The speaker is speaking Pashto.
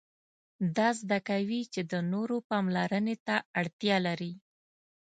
دا زده کوي چې د نورو پاملرنې ته اړتیا لري.